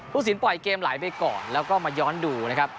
สินปล่อยเกมไหลไปก่อนแล้วก็มาย้อนดูนะครับ